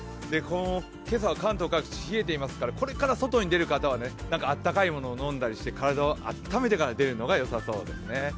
今朝、関東各地冷えていますからこれから外に出る方は温かいものを飲んだりして、体を暖めてから出るのがよさそうですね。